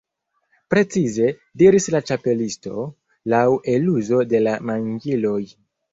"Precize," diris la Ĉapelisto, "laŭ eluzo de la manĝiloj."